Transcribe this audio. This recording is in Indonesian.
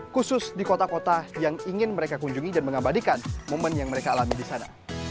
khusus di kota kota yang ingin mereka kunjungi dan mengabadikan momen yang mereka alami di sana